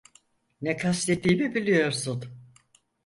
Ne kastettiğimi biliyorsun.